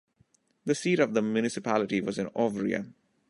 The seat of the municipality was in Ovrya.